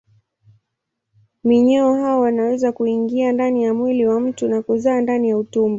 Minyoo hao wanaweza kuingia ndani ya mwili wa mtu na kuzaa ndani ya utumbo.